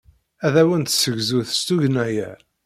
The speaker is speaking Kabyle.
Ad awen-d-tessegzu s tugna-a.